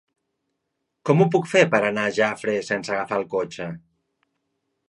Com ho puc fer per anar a Jafre sense agafar el cotxe?